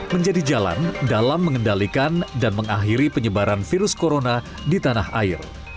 menjadi jalan dalam mengendalikan dan mengakhiri penyebaran virus corona di tanah air